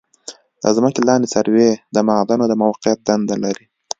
د ځمکې لاندې سروې د معادنو د موقعیت دنده لري